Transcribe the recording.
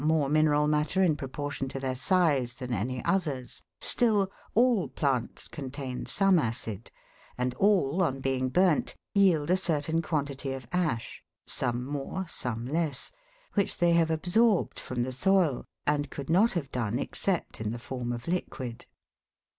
more mineral matter in proportion to their size than any others, still, all plants contain some acid, and all, on being burnt, yield a certain quantity of ash, some more, some less, which they have absorbed from the soil and could not have done except in the form of liquid.